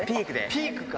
ピークか。